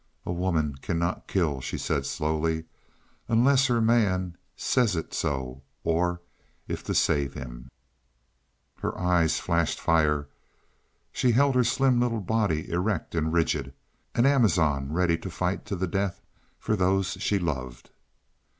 "A woman cannot kill," she said slowly. "Unless her man says it so. Or if to save him " Her eyes flashed fire; she held her slim little body erect and rigid an Amazon ready to fight to the death for those she loved.